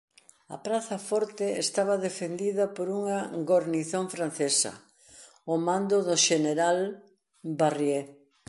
A praza forte estaba defendida por unha gornición francesa ao mando do xeneral Barrié.